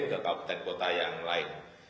ke kabupaten kota yang lain